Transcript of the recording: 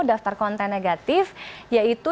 daftar konten negatif yaitu